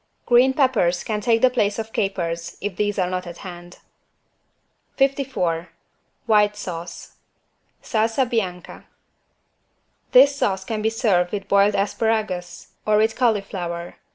Green Peppers can take the place of capers, if these are not at hand. 54 WHITE SAUCE (Salsa bianca) This sauce can be served with boiled asparagus or with cauliflower.